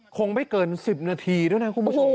คงไม่เกิน๑๐นาทีด้วยนะคุณผู้ชม